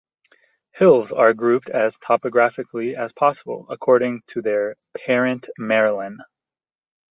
Hills are grouped as topographically as possible, according to their 'parent Marilyn'.